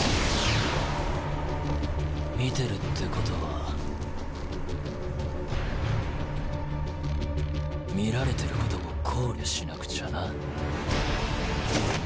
見てるってことは見られてることも考慮しなくちゃな。